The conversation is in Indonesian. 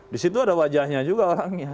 di situ ada wajahnya juga orangnya